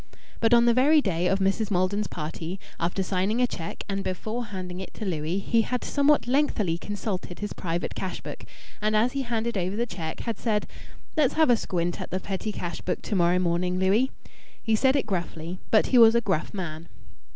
But on the very day of Mrs. Maldon's party, after signing a cheque and before handing it to Louis, he had somewhat lengthily consulted his private cash book, and, as he handed over the cheque, had said: "Let's have a squint at the petty cash book to morrow morning, Louis." He said it gruffly, but he was a gruff man.